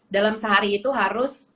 dalam sehari itu harus